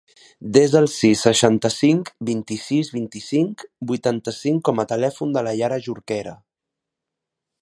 Desa el sis, seixanta-cinc, vint-i-sis, vint-i-cinc, vuitanta-cinc com a telèfon de la Yara Jorquera.